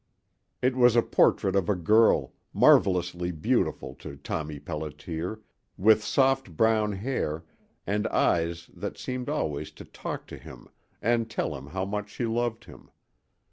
It was a portrait of a girl, marvelously beautiful to Tommy Pelliter, with soft brown hair and eyes that seemed always to talk to him and tell him how much she loved him.